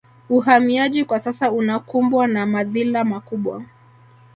Uhamiaji kwa sasa unakumbwa na madhila makubwa